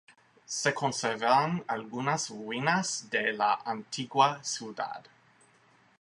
Se conservan algunas ruinas de la antigua ciudad.